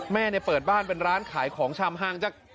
แม่เปิดบ้านเป็นร้านขายของชำห้างจาก